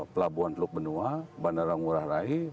pelabuhan teluk benua bandara ngurah rai